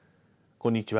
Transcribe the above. こんにちは。